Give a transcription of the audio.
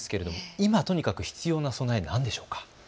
今とにかく必要な備え、なんでしょうか。